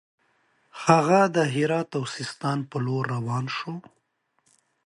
هغه د هرات او سیستان پر لور روان شو.